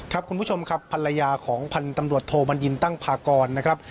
คุณผู้ชมครับภรรยาของพันธุ์ตำรวจโทบัญญินตั้งพากรนะครับ